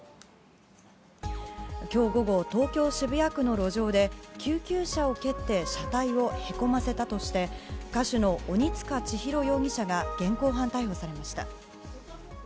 今日午後東京・渋谷区の路上で救急車を蹴って車体をへこませたとして歌手の鬼束ちひろ容疑者が現行犯逮捕されました。